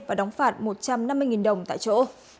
và đóng phạt một trăm năm mươi đồng tại chỗ